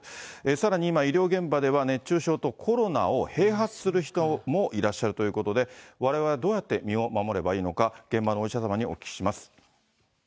さらに、今、医療現場では熱中症とコロナを併発する人もいらっしゃるということで、われわれ、どうやって身を守ればいいのか、現場のお医者様にお聞きします。